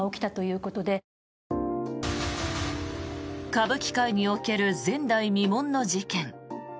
歌舞伎界における前代未聞の事件。